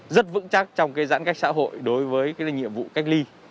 rất vững chắc trong cái giãn cách xã hội đối với nhiệm vụ cách ly